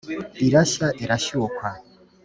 irashya irashyukwa